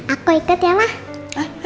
aku ikut lah